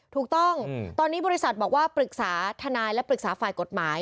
ถูกต้องตอนนี้บริษัทบอกว่าปรึกษาทนายและปรึกษาฝ่ายกฎหมาย